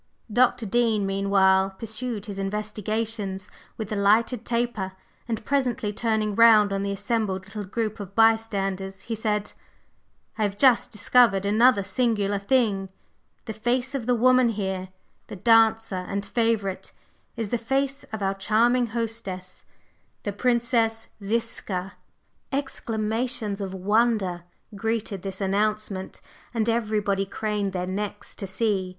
Dr. Dean meanwhile pursued his investigations with the lighted taper, and presently, turning round on the assembled little group of bystanders, he said: "I have just discovered another singular thing. The face of the woman here the dancer and favorite is the face of our charming hostess, the Princess Ziska!" Exclamations of wonder greeted this announcement, and everybody craned their necks to see.